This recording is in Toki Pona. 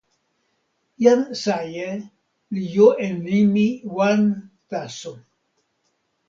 jan Saje li jo e nimi wan taso.